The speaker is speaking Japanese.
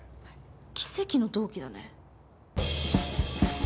奇跡の同期だね。